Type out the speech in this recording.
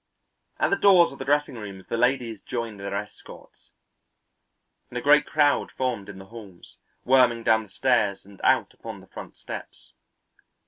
At the doors of the dressing rooms the ladies joined their escorts, and a great crowd formed in the halls, worming down the stairs and out upon the front steps.